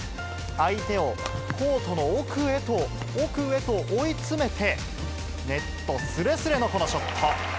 相手をコートの奥へと、奥へと追い詰めて、ネットすれすれのこのショット。